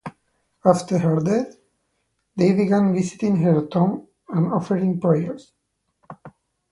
After her death, they began visiting her tomb and offering prayers.